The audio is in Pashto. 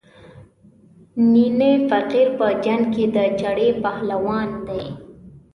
نینی فقیر په جنګ کې د چړې پهلوان دی.